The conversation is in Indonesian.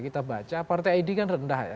kita baca partai id kan rendah ya